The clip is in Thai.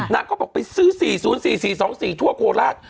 นางก็บอกไปซื้อ๔๐๔๔๒๔ทั่วโคราช